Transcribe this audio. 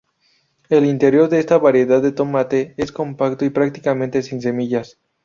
El interior de esta variedad de tomate es compacto y prácticamente sin semillas.